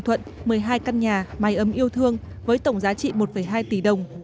thuận một mươi hai căn nhà máy ấm yêu thương với tổng giá trị một hai tỷ đồng